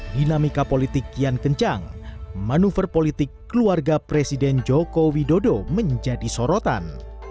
dinamika politik kian kencang manuver politik keluarga presiden joko widodo menjadi sorotan